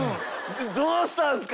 「どうしたんですか！？」